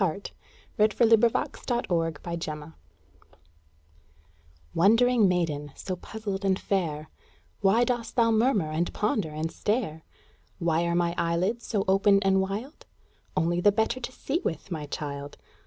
WHAT THE WOLF REALLY SAID TO LITTLE RED RIDING HOOD Wondering maiden, so puzzled and fair, Why dost thou murmur and ponder and stare? "Why are my eyelids so open and wild?" Only the better to see with, my child!